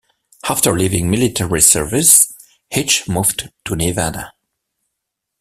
After leaving military service, Hecht moved to Nevada.